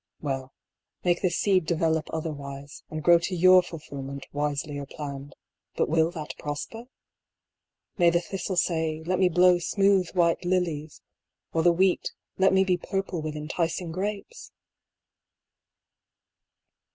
Well, make the seed develope otherwise and grow to your fulfilment wiselier planned : but will that prosper? may the thistle say " Let me blow smooth white lilies," or the wheat i2 4 AN INVENTOR. " Let me be purple with enticing grapes